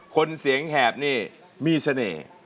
คนเสียงแหบนี่มีเสน่ห์